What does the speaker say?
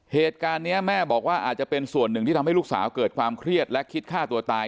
เหตุการณ์นี้แม่บอกว่าอาจจะเป็นส่วนหนึ่งที่ทำให้ลูกสาวเกิดความเครียดและคิดฆ่าตัวตาย